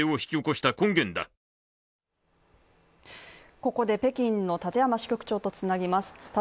ここで北京の立山支局長とつなぎます。